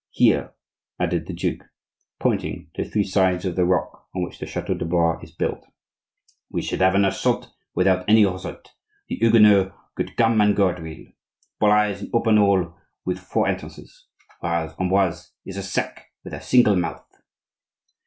Here," added the duke, pointing to three sides of the rock on which the chateau de Blois is built; "we should have an assault without any result; the Huguenots could come and go at will. Blois is an open hall with four entrances; whereas Amboise is a sack with a single mouth."